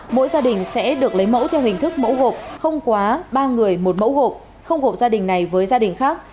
mỗi gia đình sẽ được lấy mẫu theo hình thức mẫu gộp không quá ba người một mẫu hộp không gộp gia đình này với gia đình khác